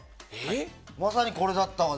まさにこれだったわ。